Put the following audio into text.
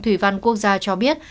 thủy văn quốc gia cho biết